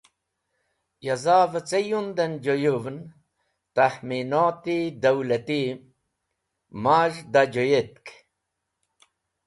Ya za’v-e ce yunden joyũvn, tahminot-e dawlati, maz̃h da joyetk.